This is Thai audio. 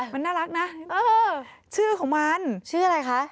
มันน่ารักนะชื่อของมันชื่ออะไรคะ